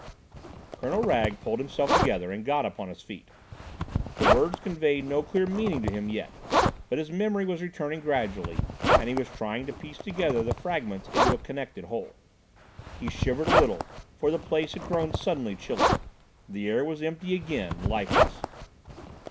Colonel Wragge pulled himself together and got upon his feet. The words conveyed no clear meaning to him yet. But his memory was returning gradually, and he was trying to piece together the fragments into a connected whole. He shivered a little, for the place had grown suddenly chilly. The air was empty again, lifeless.